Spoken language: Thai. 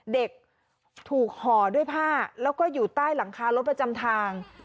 เด็กถูกห่อด้วยผ้าแล้วก็อยู่ใต้หลังคารถประจำทาง